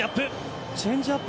チェンジアップ。